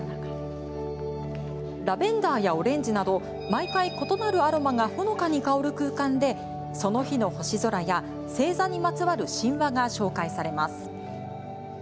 ラベンダーやオレンジなど毎回、異なるアロマがほのかに香る空間でその日の星空や星座にまつわる神話が紹介されます。